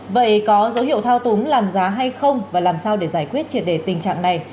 vậy có dấu hiệu thao túng làm giá hay không và làm sao để giải quyết triệt đề tình trạng này